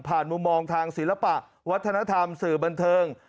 มุมมองทางศิลปะวัฒนธรรมสื่อบันเทิง